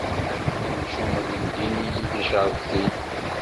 Imcumen ndin-iyi ticrektin.